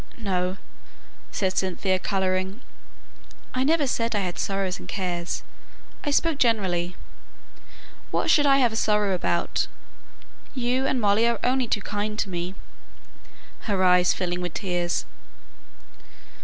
"No," said Cynthia, colouring; "I never said I had sorrows and cares; I spoke generally. What should I have a sorrow about? you and Molly are only too kind to me," her eyes filling with tears.